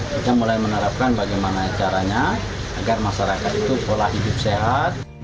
kita mulai menerapkan bagaimana caranya agar masyarakat itu pola hidup sehat